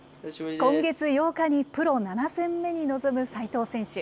今月８日にプロ７戦目に臨む齋藤選手。